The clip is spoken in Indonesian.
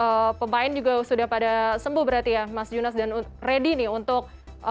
oke pemain juga sudah pada sembuh berarti ya mas junas dan ready nih untuk